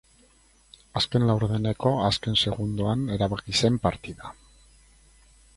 Azken laurdeneko azken segundoan erabaki zen partida.